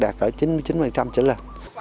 tương đạt ở chín mươi chín chỉ là